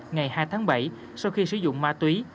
ngày hai tháng bảy sau khi sử dụng ma túy